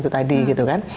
itu tadi gitu kan